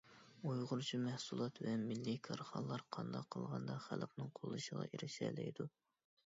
ئۇيغۇرچە مەھسۇلات ۋە مىللىي كارخانىلار قانداق قىلغاندا خەلقنىڭ قوللىشىغا ئېرىشەلەيدۇ؟